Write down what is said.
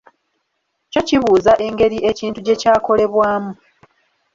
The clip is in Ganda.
Kyo kibuuza engeri ekintu gye kyakolebwamu.